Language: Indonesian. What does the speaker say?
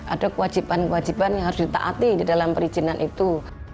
ada kewajiban kewajiban yang harus ditaati di dalam perizinan itu